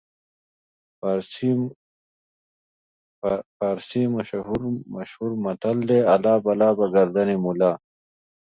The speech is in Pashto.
فارسي مشهور متل دی: الله بلا به ګردن ملا.